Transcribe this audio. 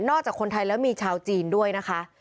จากคนไทยแล้วมีชาวจีนด้วยนะคะ